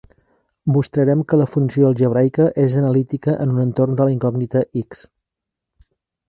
Mostrarem que la funció algebraica és analítica en un entorn de la incògnita "x".